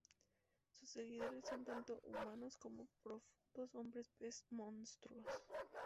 Sus seguidores son tanto humanos como Profundos, hombres-pez monstruosos.